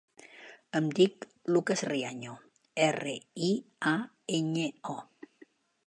Em dic Lukas Riaño: erra, i, a, enya, o.